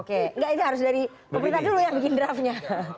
enggak itu harus dari pemerintah dulu yang bikin draftnya